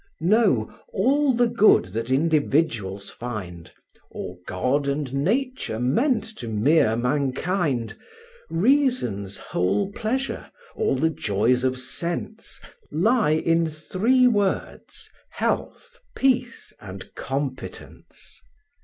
Know, all the good that individuals find, Or God and Nature meant to mere mankind, Reason's whole pleasure, all the joys of sense, Lie in three words, health, peace, and competence.